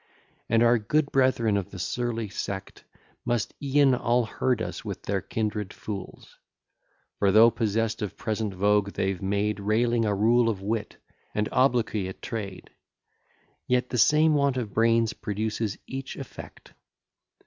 And our good brethren of the surly sect, Must e'en all herd us with their kindred fools: For though possess'd of present vogue, they've made Railing a rule of wit, and obloquy a trade; Yet the same want of brains produces each effect.